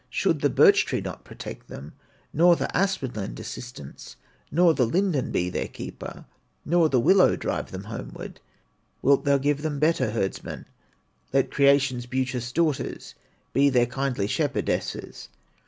Should the birch tree not protect them, Nor the aspen lend assistance, Nor the linden be their keeper, Nor the willow drive them homeward, Wilt thou give them better herdsmen, Let Creation's beauteous daughters Be their kindly shepherdesses.